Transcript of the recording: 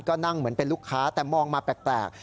ก็นั่งเหมือนเป็นลูกค้าแต่มองมาแปลก